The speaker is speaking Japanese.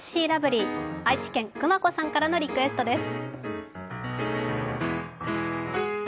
愛知県くまこさんからのリクエストです。